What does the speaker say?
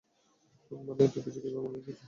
মানে, এতকিছু কীভাবে মনে রেখেছো?